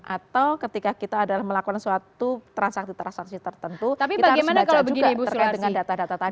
atau ketika kita adalah melakukan suatu transaksi transaksi tertentu kita harus baca juga terkait dengan data data tadi